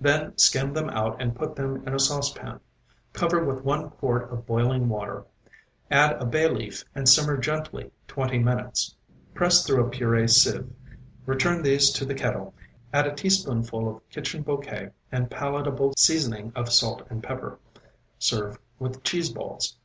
Then skim them out and put them in a saucepan. Cover with one quart of boiling water, add a bay leaf and simmer gently twenty minutes. Press through a purée sieve, return these to the kettle, add a teaspoonful of kitchen bouquet and palatable seasoning of salt and pepper. Serve with cheese balls.